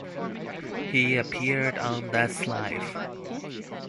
He appeared on That's Life!